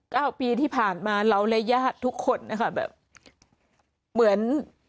เก้าปีที่ผ่านมาเราและญาติทุกคนนะคะแบบเหมือน